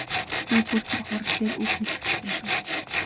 Би бүр тэр хурал дээр үг хэлэх гэсэн шүү.